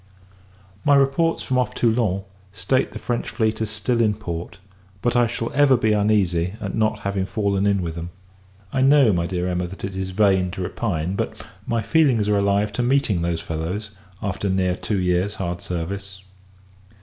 My reports from off Toulon, state the French fleet as still in port; but, I shall ever be uneasy at not having fallen in with them. I know, my dear Emma, that it is in vain to repine; but my feelings are alive to meeting those fellows, after near two years hard service.